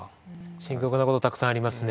深刻なことたくさんありますね